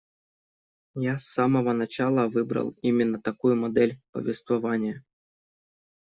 Я с самого начала выбрал именно такую модель повествования.